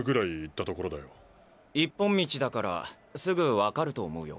一本道だからすぐ分かると思うよ。